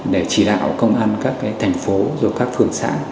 để chỉ đạo công an các thành phố các phường xã